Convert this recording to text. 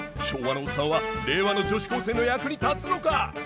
昭和のオッサンは令和の女子高生の役に立つのか！？